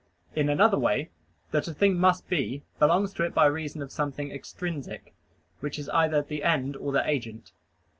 In another way, that a thing must be, belongs to it by reason of something extrinsic, which is either the end or the agent.